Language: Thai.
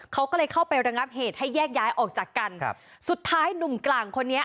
เขาก็เลยเข้าไประงับเหตุให้แยกย้ายออกจากกันครับสุดท้ายหนุ่มกลางคนนี้